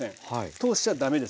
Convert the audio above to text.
通しちゃ駄目です。